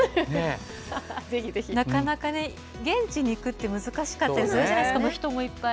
なかなか現地に行くって難しかったりするじゃないですか。